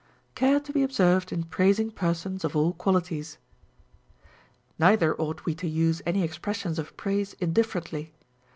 458 OF HEARING. Care to he observed in Praising Persons of all Qualities. 15. Neither ought we to use any expressions of praise indifferently.